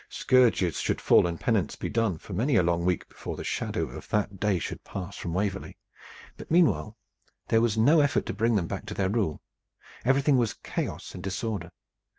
Scourges should fall and penance be done for many a long week before the shadow of that day should pass from Waverley. But meanwhile there was no effort to bring them back to their rule. Everything was chaos and disorder.